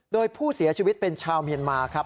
โดยผู้เสียชีวิตเป็นชาวเมียนมาครับ